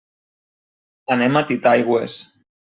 Anem a Titaigües.